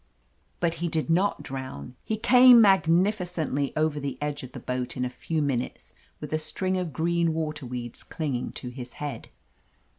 '* But he did not drown. He came magnifi cently over the edge of the boat in a few minutes, with a string of green water weeds clinging to his head.